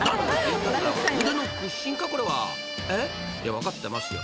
［分かってますよ。